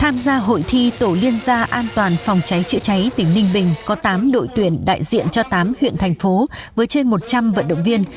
tham gia hội thi tổ liên gia an toàn phòng cháy chữa cháy tỉnh ninh bình có tám đội tuyển đại diện cho tám huyện thành phố với trên một trăm linh vận động viên